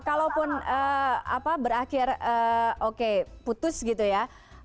kalaupun berakhir oke putus gitu ya